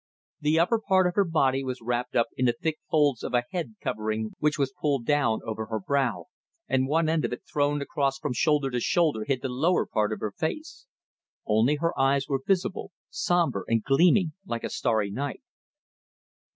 The upper part of her body was wrapped up in the thick folds of a head covering which was pulled down over her brow, and one end of it thrown across from shoulder to shoulder hid the lower part of her face. Only her eyes were visible sombre and gleaming like a starry night.